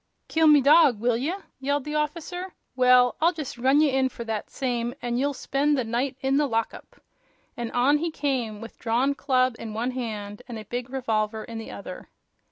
"Kill me dog, will ye eh?" yelled the officer; "well, I'll just run ye in for that same, an' ye'll spend the night in the lockup!" And on he came, with drawn club in one hand and a big revolver in the other.